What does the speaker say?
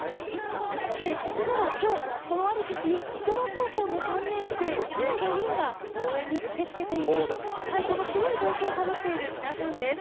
そして実は今日、このアルプスに生駒高校の３年生１５人が応援に駆けつけています。